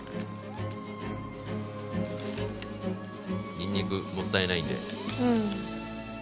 にんにくもったいないんで。